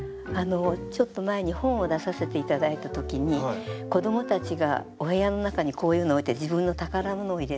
ちょっと前に本を出させて頂いたときに子どもたちがお部屋の中にこういうのを置いて自分の宝物を入れて。